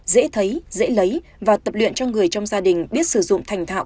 dễ thấy dễ lấy và tập luyện cho người trong gia đình biết sử dụng thành thạo